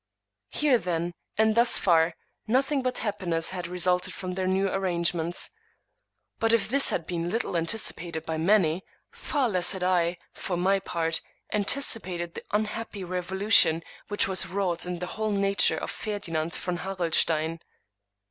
Here, then, and thus far, nothing but happiness had re sulted from the new arrangement. But, if this had been little anticipated by many, far less had I, for my part, antici pated the unhappy revolution which was wrought in the whole nature of Ferdinand von Harrelstein.